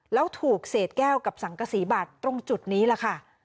แล้วถูกเศษแก้วกับสังกษีบัตรตรงจุดนี้แหละค่ะ